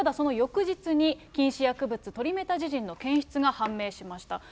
ただその翌日に禁止薬物、トリメタジジンの検出が判明しました。